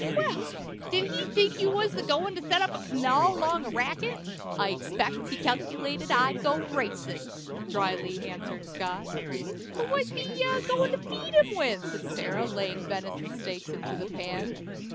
"Well! Did he think you was a goin' to set up canawl long o' Racket?" "I expect he calc'lated I'd go racin'," dryly answered Scott. "But what be ye a goin' to feed him with?" said Sary, laying venison steaks into the pan.